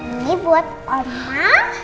ini buat oma